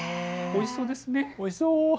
おいしそうですね。